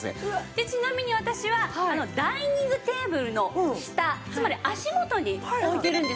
ちなみに私はダイニングテーブルの下つまり足元に置いてるんですよ。